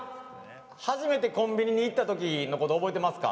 初めてコンビニに行ったときのこと覚えてますか？